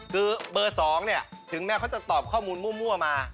คือเบอร์๒เนี่ยถึงแม้เขาจะตอบข้อมูลมั่วมา